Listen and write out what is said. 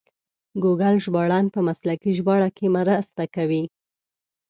ګوګل ژباړن په مسلکي ژباړه کې مرسته کوي.